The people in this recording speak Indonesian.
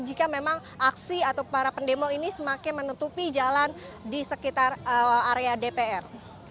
jika memang aksi atau para pendemo ini semakin menutupi jalan di sekitar area dpr